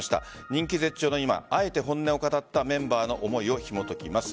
人気絶頂の今あえて本音を語ったメンバーの思いをひもときます。